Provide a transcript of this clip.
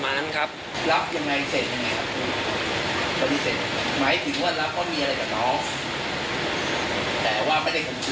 หมายถึงว่ารับเขามีอะไรกับน้องแต่ว่าไม่ได้ข่มขืนถูกมั้ยครับ